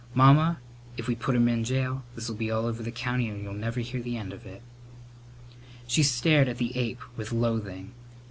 "Mamma, if we put him in jail this'll be all over the county and you'll never hear the end of it." She stared at the ape with loathing.